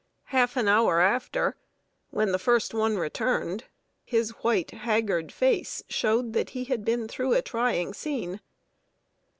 Half an hour after, when the first one returned, his white, haggard face showed that he had been through a trying scene.